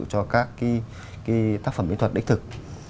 cho các cái tác phẩm mỹ thuật đích thực